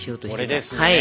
これですね？